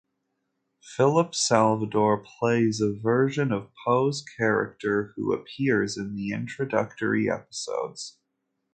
Philip Salvador plays a version of Poe's character who appears in the introductory episodes.